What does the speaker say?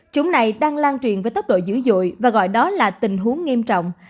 chúng này đang lan truyền với tốc độ dữ dội và gọi đó là tình huống nghiêm trọng